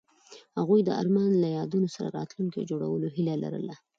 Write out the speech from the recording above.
هغوی د آرمان له یادونو سره راتلونکی جوړولو هیله لرله.